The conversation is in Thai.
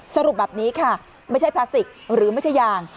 สรุปแบบนี้ค่ะไม่ใช่พลาสติกหรือไม่ใช่ยาง